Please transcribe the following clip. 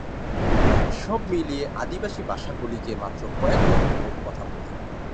সব মিলিয়ে আদিবাসী ভাষাগুলিতে মাত্র কয়েক লক্ষ লোক কথা বলে।